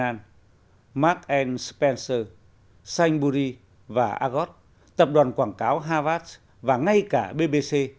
mcdonald s mark and spencer s gianburi và argos teaser tập đoàn quảng cáo harvard và ngay cả bbc